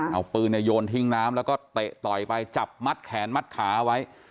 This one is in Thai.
เอาปืนโยนทิ้งน้ำแล้วก็เตะต่อยไปจับมัดแขนมัดขาไว้